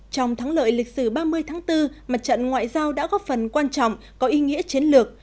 trong thắng lợi lịch sử ba mươi tháng bốn mặt trận ngoại giao đã góp phần quan trọng có ý nghĩa chiến lược